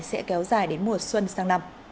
sẽ kéo dài đến mùa xuân